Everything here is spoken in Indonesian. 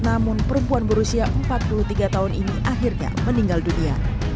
namun perempuan berusia empat puluh tiga tahun ini akhirnya meninggal dunia